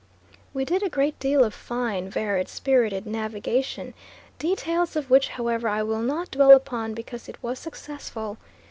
We did a great deal of fine varied, spirited navigation, details of which, however, I will not dwell upon because it was successful.